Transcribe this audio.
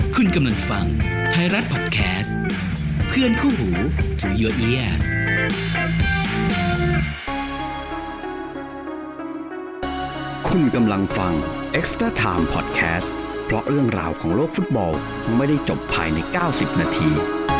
คุณกำลังฟังไทยรัฐพอดแคสต์เพื่อนคู่หูที่คุณกำลังฟังพอดแคสต์เพราะเรื่องราวของโลกฟุตบอลไม่ได้จบภายใน๙๐นาที